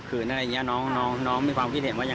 คือเรื่องนี้เขาจะนึกว่า